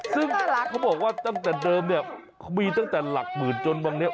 ซึ่งเขาบอกว่าตั้งแต่เดิมเนี่ยมีตั้งแต่หลักหมื่นจนบ้างเนี่ย